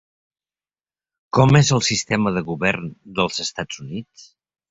Com és el sistema de govern dels Estats Units?